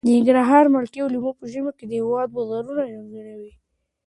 د ننګرهار مالټې او لیمو په ژمي کې د هېواد بازارونه رنګینوي.